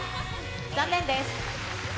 残念です。